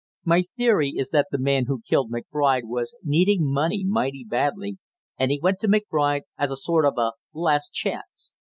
My theory is that the man who killed McBride was needing money mighty badly and he went to McBride as a sort of a last chance.